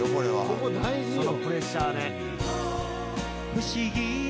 ここ大事よ。